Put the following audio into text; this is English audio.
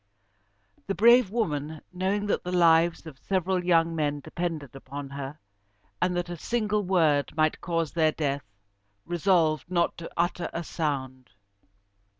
The brave woman, knowing that the lives of several young men depended upon her, and that a single word might cause their death, resolved not to utter a sound.